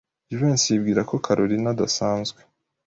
Jivency yibwira ko Kalorina adasanzwe.